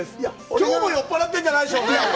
きょうも酔っ払ってるんじゃないでしょうね！